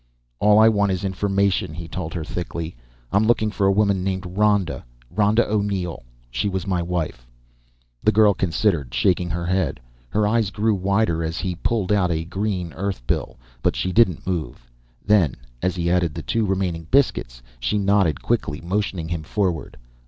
"All I want is information," he told her thickly. "I'm looking for a woman named Ronda Ronda O'Neill. She was my wife." The girl considered, shaking her head. Her eyes grew wider as he pulled out a green Earth bill, but she didn't move. Then, as he added the two remaining biscuits, she nodded quickly, motioning him forward.